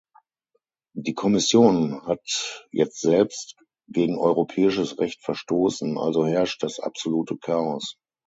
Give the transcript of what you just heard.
Die Kommission hat jetzt selbst gegen europäisches Recht verstoßen, also herrscht das absolute Chaos.